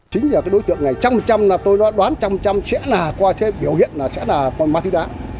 chính là cái đối tượng này trăm trăm là tôi đoán trăm trăm sẽ là qua thế biểu hiện là sẽ là con ma túy đá